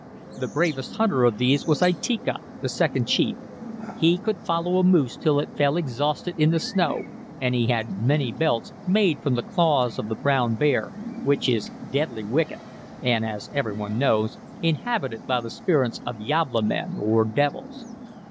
The bravest hunter of these was Itika, the second chief. He could follow a moose till it fell exhausted in the snow and he had many belts made from the claws of the brown bear which is deadly wicked and, as every one knows, inhabited by the spirits of 'Yabla men,' or devils.